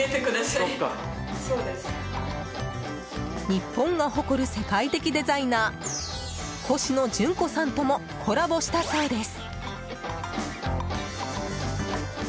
日本が誇る世界的デザイナーコシノジュンコさんともコラボしたそうです。